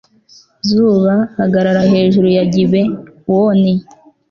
zuba, hagarara hejuru ya gibewoni